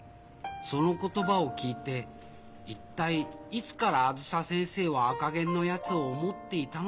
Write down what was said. その言葉を聞いて一体いつからあづさ先生は赤ゲンのやつを思っていたのだろう？